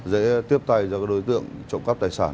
dễ tiếp tay cho các đối tượng trộm cắp tài sản